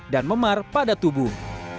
dan memar pada tubuh